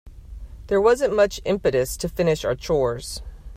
There wasn't much impetus to finish our chores.